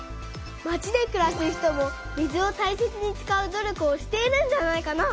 まちでくらす人も水をたいせつにつかう努力をしているんじゃないかな。